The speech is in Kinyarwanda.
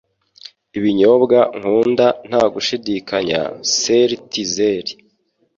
Ibinyobwa nkunda nta gushidikanya seltzer.